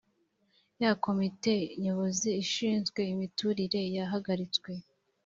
ya komite nyobozi ishinzwe imiturire yahagaritswe